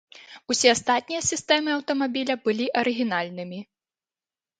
Усе астатнія сістэмы аўтамабіля былі арыгінальнымі.